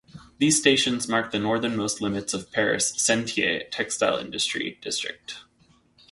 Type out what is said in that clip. These stations mark the northernmost limits of Paris' "Sentier" textile industry district.